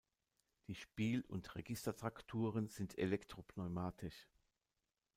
Die Spiel- und Registertrakturen sind elektro-pneumatisch.